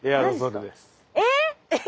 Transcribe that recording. えっ！